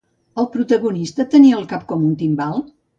El protagonista tenia el cap com un timbal?